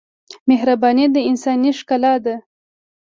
مهرباني د انسانۍ ښکلا ده.